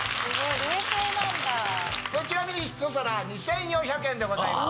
こちら一皿２４００円でございます。